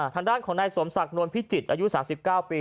ทางด้านของนายสมศักดิ์นวลพิจิตรอายุ๓๙ปี